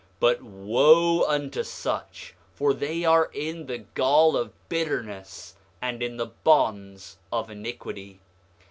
But wo unto such for they are in the gall of bitterness and in the bonds of iniquity.